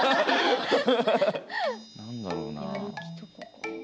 何だろうな。